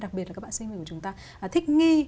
đặc biệt là các bạn sinh viên của chúng ta thích nghi